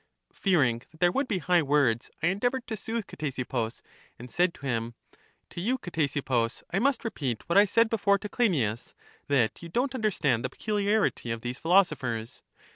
Fearing that there would be high words, I en deavored to soothe Ctesippus, and said to him: To you, Ctesippus, I must repeat what I said before to Cleinias — that you don't understand the peculiarity of these philosophers.